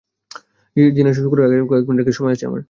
জিনার শো শুরু করার আগে কয়েক মিনিট সময় আছে আমার।